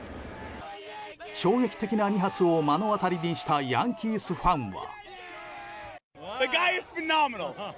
衝撃的な２発を目の当たりにしたヤンキースファンは。